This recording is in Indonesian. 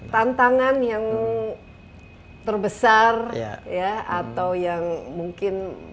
tantangan yang terbesar ya atau yang mungkin pak walikota ini